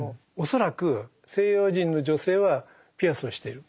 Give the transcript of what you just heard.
恐らく西洋人の女性はピアスをしている。